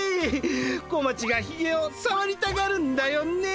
小町がひげをさわりたがるんだよね。